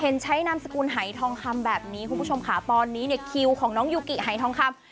ใช้นามสกุลหายทองคำแบบนี้คุณผู้ชมค่ะตอนนี้เนี่ยคิวของน้องยูกิหายทองคำ